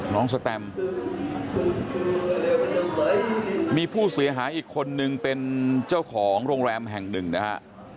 สแตมมีผู้เสียหายอีกคนนึงเป็นเจ้าของโรงแรมแห่งหนึ่งนะฮะ